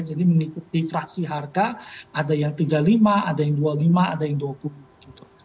jadi menikuti fraksi harga ada yang tiga puluh lima ada yang dua puluh lima ada yang dua puluh gitu